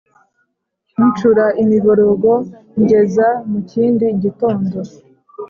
Ncura imiborogo ngeza mu kindi gitondo.